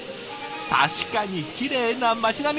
確かにきれいな街並み！